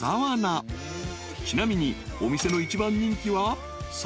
［ちなみにお店の一番人気は］